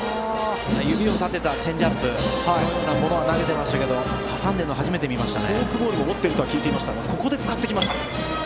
指を立てたチェンジアップのようなものは投げていましたが挟んでいるのは初めてですね。